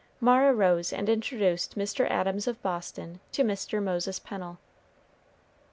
Mara rose and introduced Mr. Adams of Boston to Mr. Moses Pennel.